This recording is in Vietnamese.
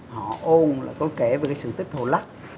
họ ôn là có kể về sự tích thổ lắc